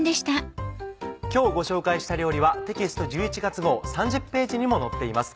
今日ご紹介した料理はテキスト１１月号３０ページにも載っています。